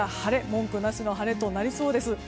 文句なしの晴れとなりそうです。